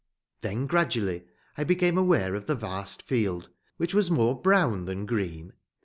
Then gradually I became aware of the vast field, which was more brown than green.